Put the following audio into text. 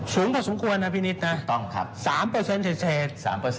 สูงกว่าสมควรนะพี่นิดนะสามเปอร์เซ็นต์เศษ